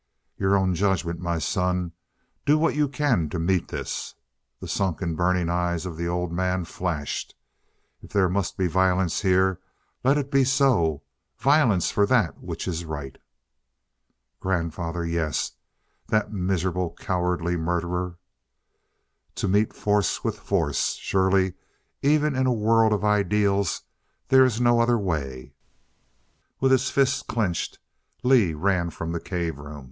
"Your own judgement, my son do what you can to meet this." The sunken, burning eyes of the old man flashed. "If there must be violence here, let it be so. Violence for that which is right." "Grandfather yes! That miserable cowardly murderer " To meet force, with force. Surely, even in a world of ideals, there is no other way. With his fists clenched, Lee ran from the cave room.